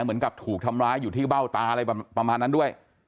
เหมือนกับถูกทำร้ายอยู่ที่เบ้าตาอะไรประมาณนั้นด้วย